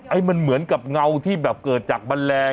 ให้มันเหมือนกับเงาที่แบบเกิดจากแมลง